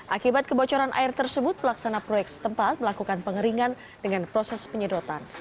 akibat kebocoran air tersebut pelaksana proyek setempat melakukan pengeringan dengan proses penyedotan